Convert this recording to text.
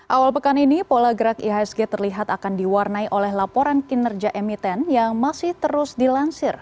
awal pekan ini pola gerak ihsg terlihat akan diwarnai oleh laporan kinerja emiten yang masih terus dilansir